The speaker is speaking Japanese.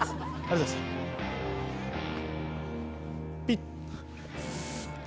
ピッ！